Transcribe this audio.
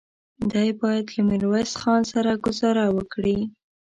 دی بايد له ميرويس خان سره ګذاره وکړي.